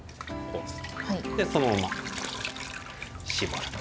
でそのまま絞ると。